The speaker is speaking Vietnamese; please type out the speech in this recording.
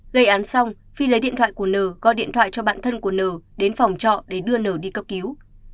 gây án xong phi lấy điện thoại của nờ gói điện thoại cho bạn thân của nờ đến phòng trọ để đưa nờ đi cấp cứu